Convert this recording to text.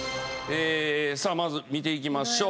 さあまず見ていきましょう。